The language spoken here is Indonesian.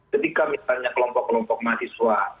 ketika misalnya kelompok kelompok mahasiswa